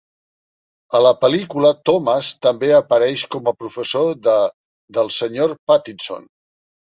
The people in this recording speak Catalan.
A la pel·lícula Thomas també apareix com a professor del Sr. Pattison.